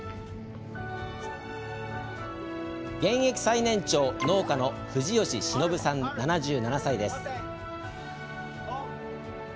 現役最年長、農家の藤吉忍さん７７歳です。